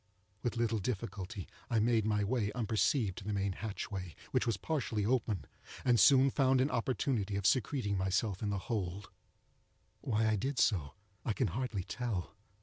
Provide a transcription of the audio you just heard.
With little difficulty I made my way unperceived to the main hatchway, which was partially open, and soon found an opportunity of secreting myself in the hold. Why I did so I can hardly tell.